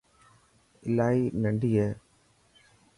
الاهي ننڊو هي.